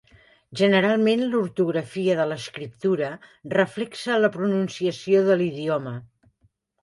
Generalment l'ortografia de l'escriptura reflexa la pronunciació de l'idioma.